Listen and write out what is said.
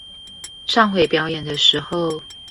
上回表演的時候